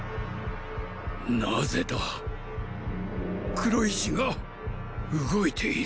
なぜだ黒石が動いている。